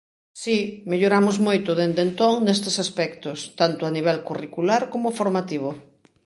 Si, melloramos moito dende entón nestes aspectos, tanto a nivel curricular como formativo.